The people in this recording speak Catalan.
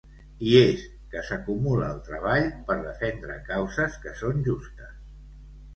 I és que s'acumula el treball per defendre causes que són justes.